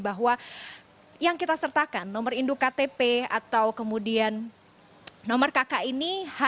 bahwa yang kita sertakan nomor induk ktp atau kemudian nomor kk ini